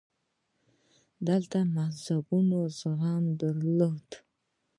دلته مذهبونو زغم درلود